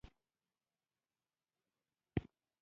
د دې مانا جنوبي بیزو ده.